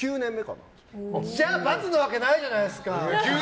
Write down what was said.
じゃあ×なわけないじゃないですか！